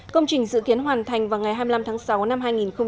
công trình dự kiến hoàn thành vào ngày hai mươi năm tháng sáu năm hai nghìn hai mươi